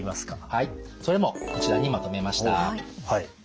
はいそれもこちらにまとめました。